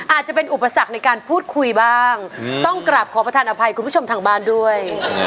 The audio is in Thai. อาจจะเป็นอุปสรรคในการพูดคุยบ้างต้องกลับขอประธานอภัยคุณผู้ชมทางบ้านด้วย